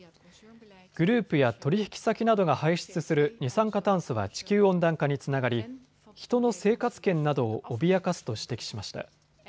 グループや取引先などが排出する二酸化炭素は地球温暖化につながり人の生活権などを脅かすと指摘しました。